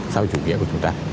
sau chủ nghĩa của chúng ta